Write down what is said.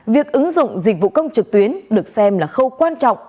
việc ứng dụng dịch vụ công trực tuyến được xem là khâu quan trọng